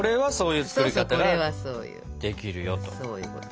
はい！